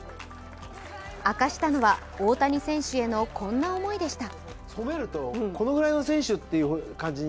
明かしたのは大谷選手へのこんな思いでした。